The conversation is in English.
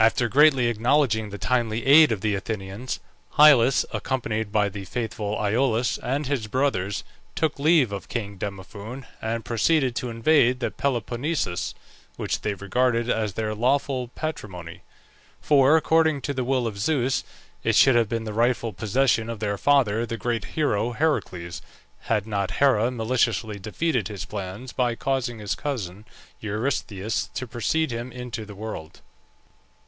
After gratefully acknowledging the timely aid of the Athenians, Hyllus, accompanied by the faithful Iolaus and his brothers, took leave of king Demophoon, and proceeded to invade the Peloponnesus, which they regarded as their lawful patrimony; for, according to the will of Zeus, it should have been the rightful possession of their father, the great hero Heracles, had not Hera maliciously defeated his plans by causing his cousin Eurystheus to precede him into the world.